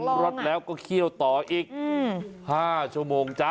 รสแล้วก็เคี่ยวต่ออีก๕ชั่วโมงจ๊ะ